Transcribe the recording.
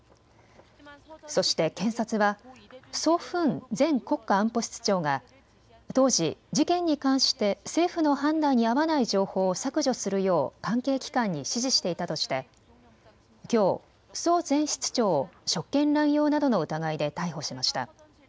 そして検察はソ・フン前国家安保室長が当時、事件に関して政府の判断に合わない情報を削除するよう関係機関に指示していたとしてきょうソ前室長を職権乱用などの疑いで逮捕しました。